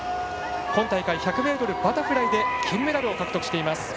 今大会１００ｍバタフライで金メダルを獲得しています。